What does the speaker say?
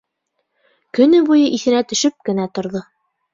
Көнө буйы иҫенә төшөп кенә торҙо.